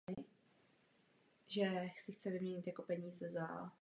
V březnu se koná oslava Mezinárodního dne žen a v květnu oslava Dne matek.